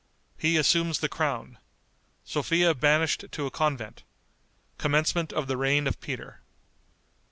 He Assumes the Crown. Sophia Banished to a Convent. Commencement of the Reign of Peter.